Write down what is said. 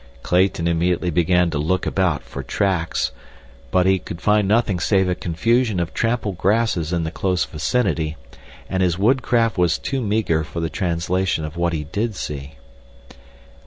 Clayton immediately began to look about for tracks, but he could find nothing save a confusion of trampled grasses in the close vicinity, and his woodcraft was too meager for the translation of what he did see.